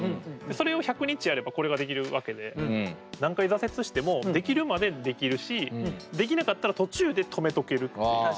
それを１００日やればこれが出来るわけで何回挫折しても出来るまでできるし出来なかったら途中で止めとけるっていう。